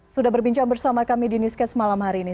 sudah berbincang bersama kami di newscast malam hari ini